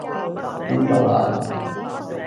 知道啦